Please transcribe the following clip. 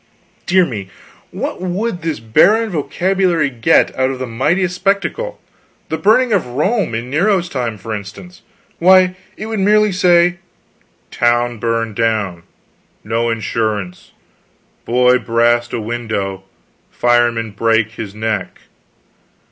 Dear me, what would this barren vocabulary get out of the mightiest spectacle? the burning of Rome in Nero's time, for instance? Why, it would merely say, 'Town burned down; no insurance; boy brast a window, fireman brake his neck!'